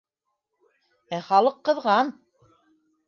Ә халыҡ ҡыҙған.